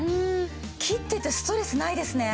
切っててストレスないですね。